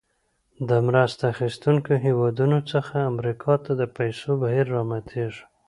د مرسته اخیستونکو هېوادونو څخه امریکا ته د پیسو بهیر راماتیږي.